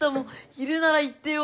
いるなら言ってよ。